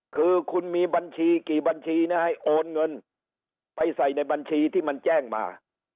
คือคุณมีบัญชีกี่บัญชีนะให้โอนเงินไปใส่ในบัญชีที่มันแจ้งมา